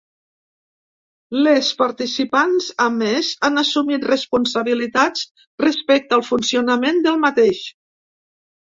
Les participants, a més, han assumit responsabilitats respecte al funcionament del mateix.